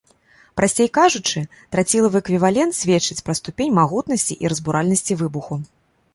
Прасцей кажучы, трацілавы эквівалент сведчыць пра ступень магутнасці і разбуральнасці выбуху.